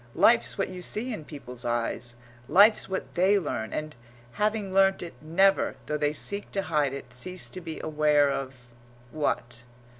Life's what you see in people's eyes; life's what they learn, and, having learnt it, never, though they seek to hide it, cease to be aware of what?